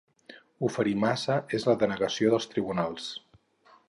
Oferir massa, és la denegació dels tribunals.